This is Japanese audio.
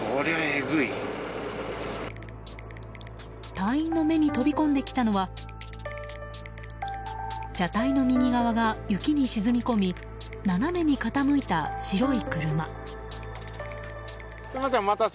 隊員の目に飛び込んできたのは車体の右側が雪に沈み込み斜めに傾いた白い車。